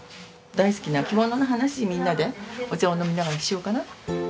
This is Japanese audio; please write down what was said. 大好きな着物の話みんなでお茶を飲みながらしようかな。